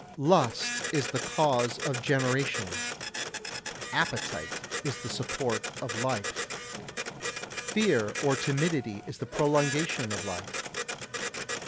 84. Lust is the cause of generation. Appetite is the support of life. Fear or timidity is the prolongation of life.